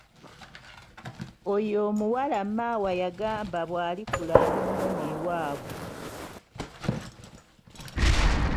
Oyo omuwala maawa yangamba bw'alikula ndimunona ewaabwe.